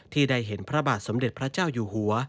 ได้เห็นพระบาทสมเด็จพระเจ้าอยู่หัว